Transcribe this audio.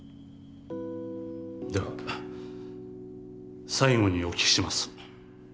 では最後にお聞きします。